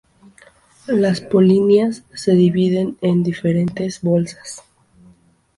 Las polinias se dividen en diferentes bolsas.